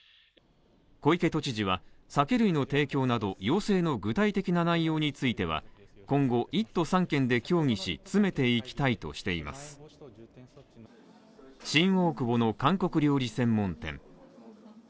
小池都知事は、酒類の提供など、要請の具体的な内容については、今後１都３県で協議し、詰めていきたいとしています防止等重点措置の新大久保の韓国料理専門店。